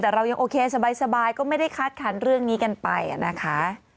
แต่เรายังโอเคสบายก็ไม่ได้คาดคันเรื่องนี้กันไปนะคะ